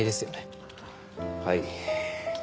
はい。